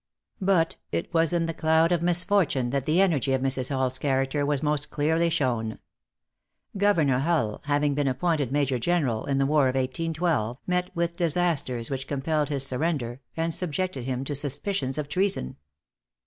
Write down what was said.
But it was in the cloud of misfortune that the energy of Mrs. Hull's character was most clearly shown. Governor Hull having been appointed Major General in the war of 1812, met with disasters which compelled his surrender, and subjected him to suspicions of treason.